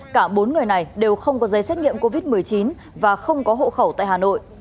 cả bốn người này đều không có giấy xét nghiệm covid một mươi chín và không có hộ khẩu tại hà nội